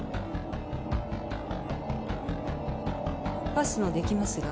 パスもできますが？